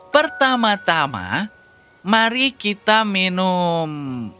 pertama tama mari kita minum